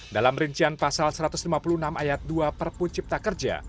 dalam rincian pasal satu ratus lima puluh enam ayat dua perpu cipta kerja